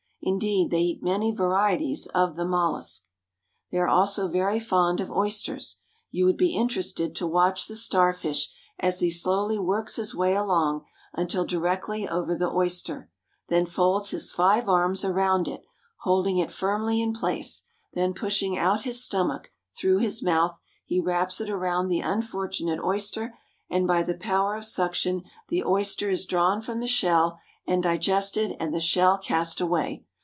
Indeed, they eat many varieties of the mollusk. They are also very fond of oysters. You would be interested to watch the star fish as he slowly works his way along until directly over the oyster, then folds his five arms around it, holding it firmly in place, then pushing out his stomach, through his mouth, he wraps it around the unfortunate oyster, and by the power of suction the oyster is drawn from the shell and digested and the shell cast away.